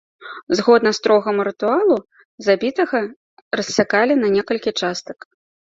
Згодна строгаму рытуалу, забітага рассякалі на некалькі частак.